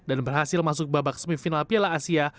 dan berhasil masuk babak semifinal piala asia